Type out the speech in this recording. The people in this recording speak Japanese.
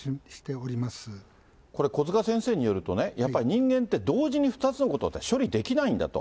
これ、小塚先生によると、やっぱり人間って、同時に２つのことって処理できないんだと。